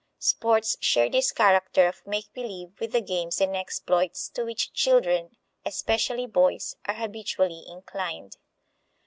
Sports share this character of make believe with the games and exploits to which children, especially boys, are habitually inclined.